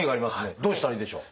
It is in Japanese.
どうしたらいいでしょう？